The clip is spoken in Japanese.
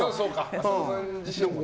浅野さん自身もね。